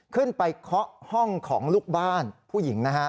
ขึ้นไปเคาะห้องของลูกบ้านผู้หญิง